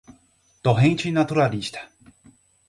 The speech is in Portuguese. torrente naturalista